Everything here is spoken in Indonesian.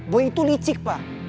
boy itu licik pak